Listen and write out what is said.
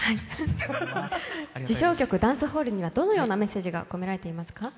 受賞曲「ダンスホール」にはどのようなメッセージが込められていますか？